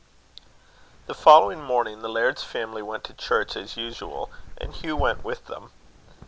The following morning, the laird's family went to church as usual, and Hugh went with them.